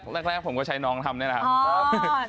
แรกผมก็ใช้น้องทำนี่แหละครับ